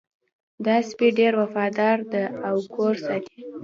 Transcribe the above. دا سپی ډېر وفادار ده او کور ساتي